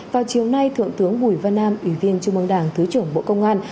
vào chiều nay thượng tướng bùi văn nam ủy viên trung mương đảng thứ trưởng bộ công an